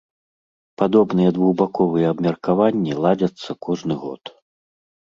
Падобныя двухбаковыя абмеркаванні ладзяцца кожны год.